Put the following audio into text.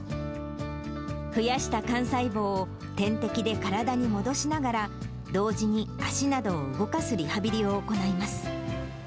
増やした幹細胞を点滴で体に戻しながら、同時に足などを動かすリハビリを行います。